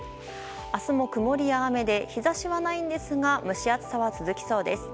明日も曇りや雨で日差しはないんですが蒸し暑さは続きそうです。